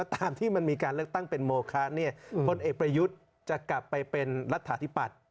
ตามที่มันมีการเลือกตั้งเป็นโมคะพลเอกประยุทธ์จะกลับไปเป็นรัฐาธิปัตย์